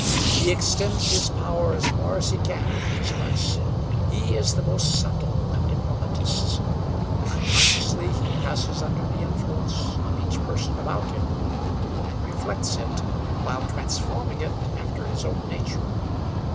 He extends his power as far as he can with each of us; he is the most subtle of diplomatists. Unconsciously he passes under the influence of each person about him, and reflects it while transforming it after his his own nature.